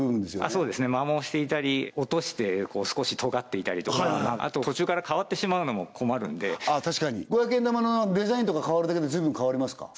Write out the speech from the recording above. そうですね摩耗していたり落として少しとがっていたりとかあと途中から変わってしまうのも困るんで確かに五百円玉のデザインとか変わるだけで随分変わりますか？